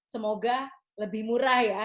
semoga lebih murah ya